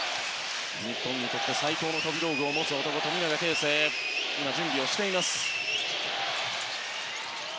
日本にとって最高の飛び道具富永啓生が準備をしています。